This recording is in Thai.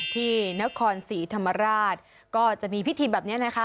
ที่นครศรีธรรมราชก็จะมีพิธีแบบนี้นะคะ